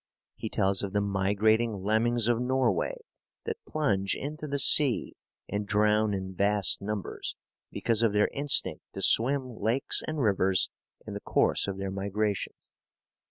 He tells of the migrating lemmings of Norway that plunge into the sea and drown in vast numbers because of their instinct to swim lakes and rivers in the course of their migrations.